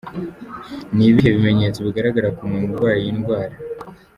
Ni ibihe bimenyetso bigaragara ku muntu urwaye iyi ndwara?.